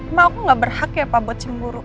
emang aku gak berhak ya pak buat cemburu